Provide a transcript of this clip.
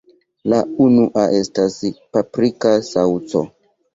La unua estas Paprika Saŭco.